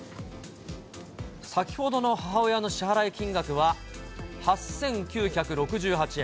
先ほどの母親の支払い金額は８９６８円。